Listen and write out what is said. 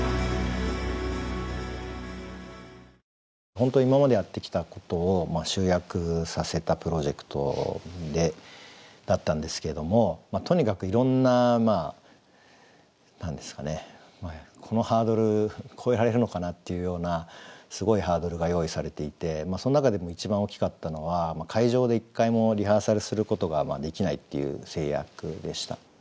本当今までやってきたことを集約させたプロジェクトだったんですけれどもとにかくいろんな何ですかねこのハードル越えられるのかなっていうようなすごいハードルが用意されていてその中でも一番大きかったのは会場で一回もリハーサルすることができないっていう制約でした。